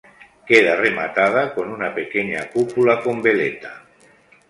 Queda rematada con una pequeña cúpula con veleta.